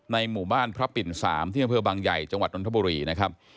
ในหมู่บ้านพระปิด๓ที่เมืองเผือบางใหญ่จังหวัดดนทบุรีนะครับ